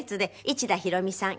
市田ひろみさん